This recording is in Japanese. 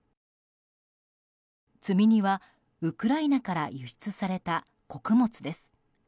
積み荷はウクライナから輸出された穀物です。